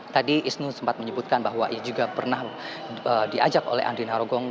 tadi isnu sempat menyebutkan bahwa dia juga pernah diajak oleh andina rogong